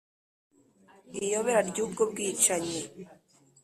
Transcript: iyobera ry ubwo bwicanyi